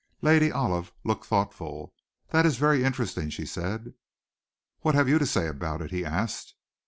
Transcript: Lady Olive looked thoughtful. "That is very interesting," she said. "What have you to say about it?" he asked.